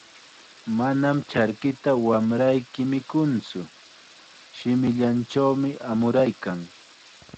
"Manam charkita wamrayki mikuntsu, shimillanchawmi amuraykan."